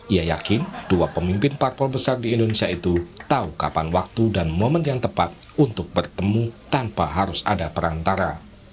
ia yakin dua pemimpin parpol besar di indonesia itu tahu kapan waktu dan momen yang tepat untuk bertemu tanpa harus ada perantara